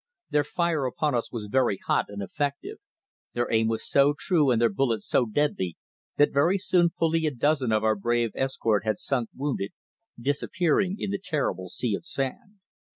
Their fire upon us was very hot and effective. Their aim was so true and their bullets so deadly, that very soon fully a dozen of our brave escort had sunk wounded, disappearing in the terrible sea of sand.